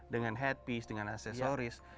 dengan headpiece dengan aksesoris